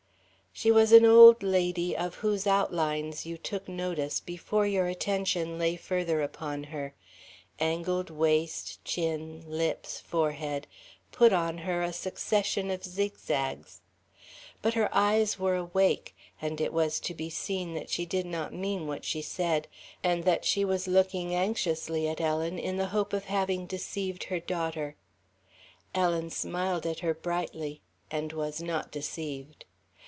She was an old lady of whose outlines you took notice before your attention lay further upon her angled waist, chin, lips, forehead, put on her a succession of zigzags. But her eyes were awake, and it was to be seen that she did not mean what she said and that she was looking anxiously at Ellen in the hope of having deceived her daughter. Ellen smiled at her brightly, and was not deceived.